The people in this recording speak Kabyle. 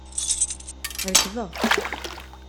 Rekbeɣ.